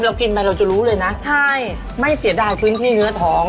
เรากินไปเราจะรู้เลยนะใช่ไม่เสียดายพื้นที่เนื้อท้อง